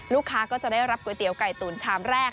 ลูกค้าก็จะได้รับก๋วยเตี๋ยไก่ตุ๋นชามแรก